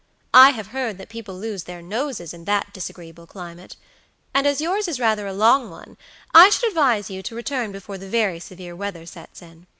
I have heard that people lose their noses in that disagreeable climate, and as yours is rather a long one, I should advise you to return before the very severe weather sets in.